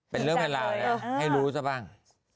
เป็นเรื่องเท่าไหร่ให้รู้ซะบ้าง